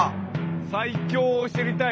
最強を知りたい。